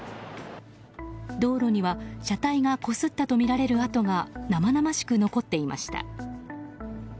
道路には車体がこすったとみられる跡が生々しく残っていました。